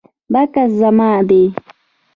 بکس زما دی